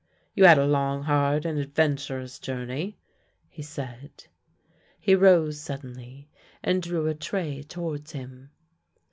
" You had a long, hard, and adventurous journey," he said. He rose suddenly and drew a tray towards him.